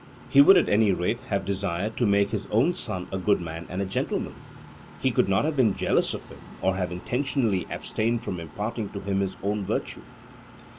He would, at any rate, have desired to make his own son a good man and a gentleman; he could not have been jealous of him, or have intentionally abstained from imparting to him his own virtue.